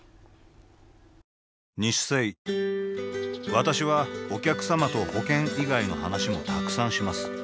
私はお客様と保険以外の話もたくさんします